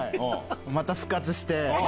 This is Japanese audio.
また復活して。